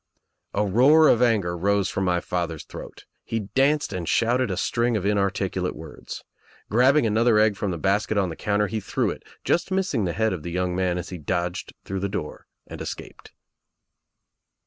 A roar of anger rose from my father's throat. He danced and shouted a string of inarticulate words. Grabbing another egg from the basket on the counter, he threw it, just missing the head of the young man as he dodged through the door and escaped.